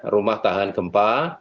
rumah tahan gempa